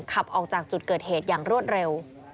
ขับออกจากจุดเกิดเหตุอย่างรวดเร็ว